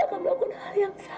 kamu tidak boleh pergi dari sini